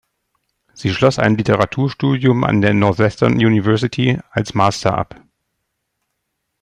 Sie schloss ein Literaturstudium an der Northwestern University als Master ab.